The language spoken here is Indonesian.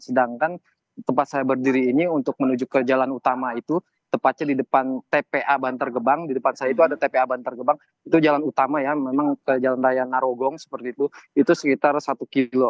sedangkan tempat saya berdiri ini untuk menuju ke jalan utama itu tepatnya di depan tpa bantar gebang di depan saya itu ada tpa bantar gebang itu jalan utama ya memang ke jalan raya narogong seperti itu itu sekitar satu km